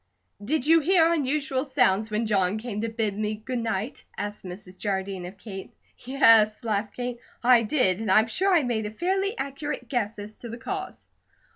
"Did you hear unusual sounds when John came to bid me good night?" asked Mrs. Jardine of Kate. "Yes," laughed Kate, "I did. And I'm sure I made a fairly accurate guess as to the cause."